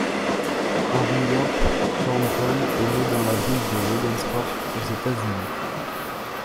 Henry Worth Thornton est né le dans la ville de Logansport aux États-Unis.